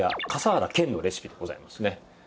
笠原賢のレシピでございますね。